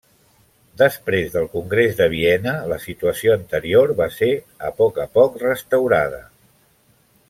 Després del Congrés de Viena, la situació anterior va ser a poc a poc restaurada.